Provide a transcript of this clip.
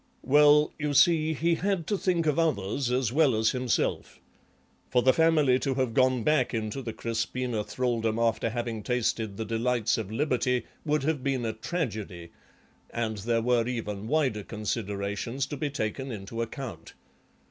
"Well, you see, he had to think of others as well as himself. For the family to have gone back into the Crispina thraldom after having tasted the delights of liberty would have been a tragedy, and there were even wider considerations to be taken into account.